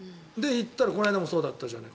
この間もそうだったじゃない。